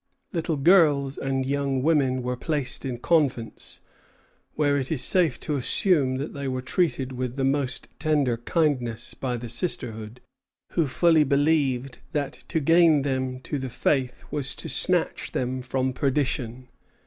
Little girls and young women were placed in convents, where it is safe to assume that they were treated with the most tender kindness by the sisterhood, who fully believed that to gain them to the faith was to snatch them from perdition.